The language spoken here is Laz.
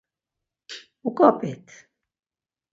Uǩap̌it.